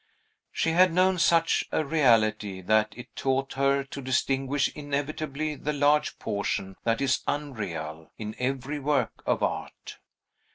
She had known such a reality, that it taught her to distinguish inevitably the large portion that is unreal, in every work of art.